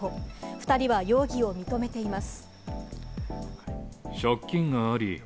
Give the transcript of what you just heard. ２人は容疑を認めています。